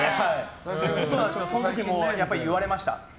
その時も言われました。